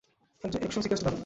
Action সিকুয়েন্সটা দারুণ!